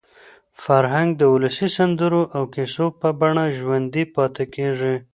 فرهنګ د ولسي سندرو او کیسو په بڼه ژوندي پاتې کېږي.